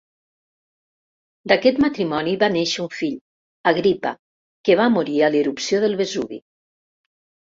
D'aquest matrimoni va néixer un fill, Agripa, que va morir a l'erupció del Vesuvi.